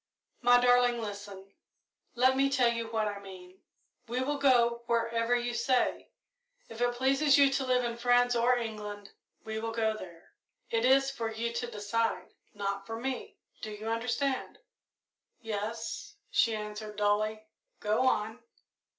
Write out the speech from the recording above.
"My darling, listen let me tell you what I mean. We will go wherever you say. If it pleases you to live in France or England, we will go there it is for you to decide, not for me. Do you understand?" "Yes," she answered dully. "Go on."